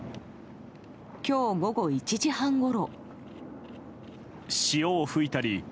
今日午後１時半ごろ。